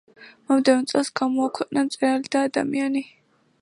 მომდევნო წელს გამოაქვეყნა „მწერალი და ადამიანი“.